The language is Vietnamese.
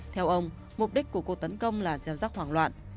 theo ông mục đích của cuộc tấn công là gieo rắc hoảng loạn